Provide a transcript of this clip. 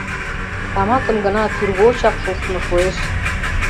Тамакым гына тӱргочак шупшмо шуэш.